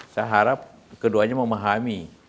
saya harap keduanya memahami